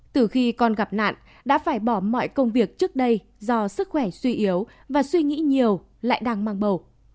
từ khi con gặp nạn đã phải bỏ mọi công việc trước đây do sức khỏe suy yếu và suy nghĩ nhiều lại đang mang bầu